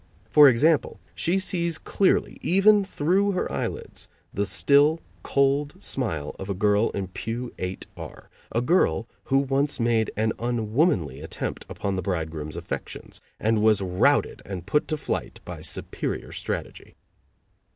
For example, she sees clearly, even through her eyelids, the still, cold smile of a girl in Pew 8 R a girl who once made an unwomanly attempt upon the bridegroom's affections, and was routed and put to flight by superior strategy.